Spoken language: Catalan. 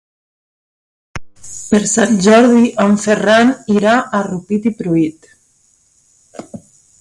Per Sant Jordi en Ferran irà a Rupit i Pruit.